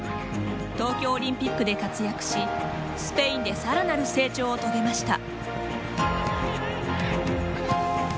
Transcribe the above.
東京オリンピックで活躍しスペインでさらなる成長を遂げました。